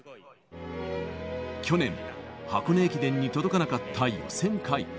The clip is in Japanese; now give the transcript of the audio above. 去年、箱根駅伝に届かなかった予選会。